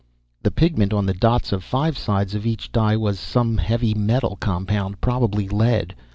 The pigment on the dots of five sides of each die was some heavy metal compound, probably lead.